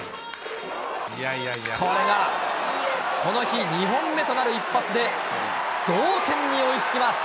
これが、この日２本目となる一発で、同点に追いつきます。